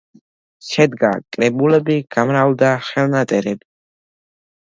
შედგა კრებულები, გამრავლდა ხელნაწერები.